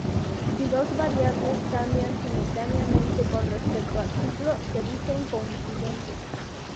Si dos variables cambian simultáneamente con respecto al ciclo, se dicen coincidentes.